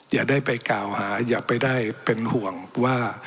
อย่าได้ไปกล่าวหาอย่าไปได้เป็นห่วงว่า